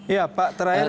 ya pak terakhir